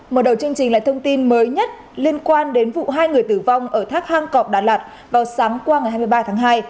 mở đầu chương trình là thông tin mới nhất liên quan đến vụ hai người tử vong ở thác hang cọp đà lạt vào sáng qua ngày hai mươi ba tháng hai